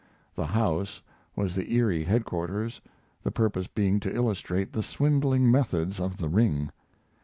The "House" was the Erie headquarters, the purpose being to illustrate the swindling methods of the Ring.